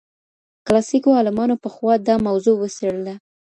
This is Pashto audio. کلاسیکو عالمانو پخوا دا موضوع وڅېړله.